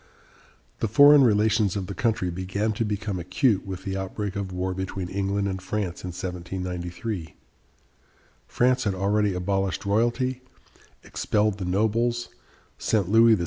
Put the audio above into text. The foreign relations of the country began to become acute with the outbreak of war between England and France in 1793. France had already abolished royalty, expelled the nobles, sent Louis XVI.